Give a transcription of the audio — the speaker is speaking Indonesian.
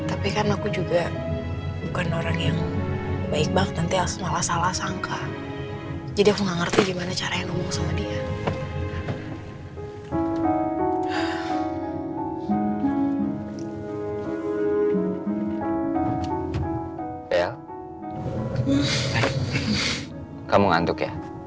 tapi kan aku juga bukan orang yang baik banget nanti elsa malah salah sangka jadi aku nggak ngerti gimana caranya ngomong sama dia